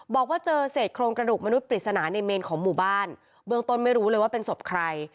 บอกว่าเจอเศษโครงกระดูกมนุษยปริศนาในเมนของหมู่บ้านเบื้องต้นไม่รู้เลยว่าเป็นศพใคร